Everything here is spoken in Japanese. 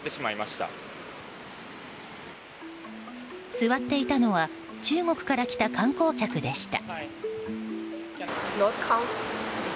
座っていたのは中国から来た観光客でした。